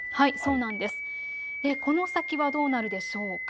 この先はどうなるでしょうか。